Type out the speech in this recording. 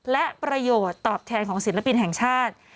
และประโยชน์ตอบแทนของศิลปินแห่งชาติ